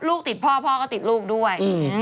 ลูกติดพ่อพ่อก็ติดลูกด้วย